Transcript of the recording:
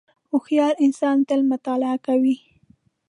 • هوښیار انسان تل مطالعه کوي.